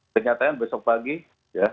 ternyata besok pagi ya